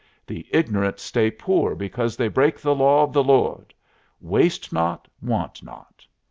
The ignorant stay poor because they break the law of the Lord. Waste not, want not.